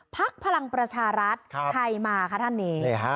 ภักดิ์พลังประชารัฐไทยมาค่ะท่านนี้